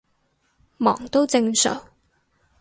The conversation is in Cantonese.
忙都正常